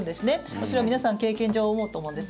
それは、皆さん経験上思うと思うんです。